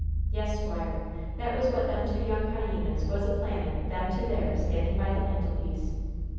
Yes, squire, that was what them two young hyenas was a planning them two there, standing by the mantelpiece!"